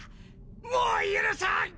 もう許さん！